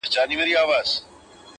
بوډا په ټولو کي پردی سړی لیدلای نه سو،